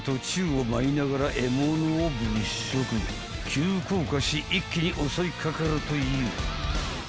［急降下し一気に襲いかかるという］